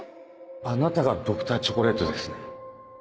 あなたがＤｒ．チョコレートですね？